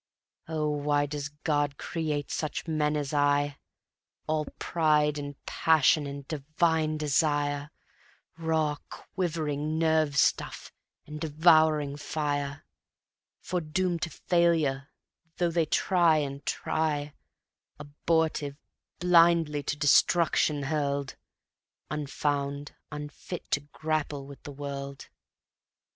... Oh, why does God create such men as I? All pride and passion and divine desire, Raw, quivering nerve stuff and devouring fire, Foredoomed to failure though they try and try; Abortive, blindly to destruction hurled; Unfound, unfit to grapple with the world.